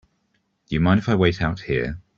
Do you mind if I wait out here?